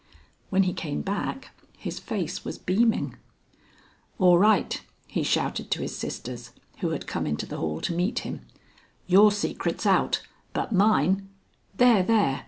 When he came back, his face was beaming. "All right," he shouted to his sisters, who had come into the hall to meet him. "Your secret's out, but mine " "There, there!"